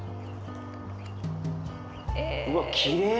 うわっきれい。